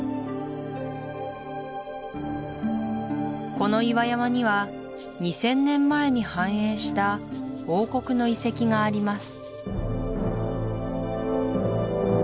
この岩山には２０００年前に繁栄した王国の遺跡があります